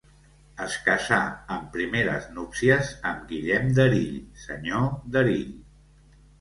Es casà, en primeres núpcies, amb Guillem d'Erill, senyor d'Erill.